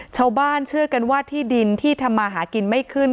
ชาวบ้านเชื่อกันว่าที่ดินที่ทำมาหากินไม่ขึ้น